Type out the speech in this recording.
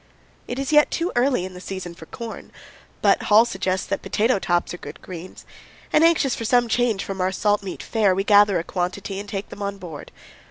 It is yet too early in the season for corn, but Hall suggests that potato tops are good greens, and, anxious for some change from our salt meat fare, we gather a quantity and take them aboard.